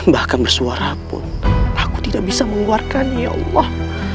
bahkan bersuara pun aku tidak bisa mengeluarkannya ya allah